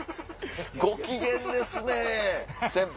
ご機嫌ですね先輩。